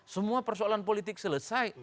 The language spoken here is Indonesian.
semua persoalan politik selesai